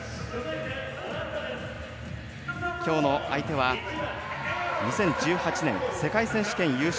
きょうの相手は２０１８年世界選手権優勝。